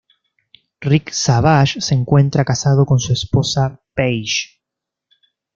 Rick Savage se encuentra casado con su esposa Paige.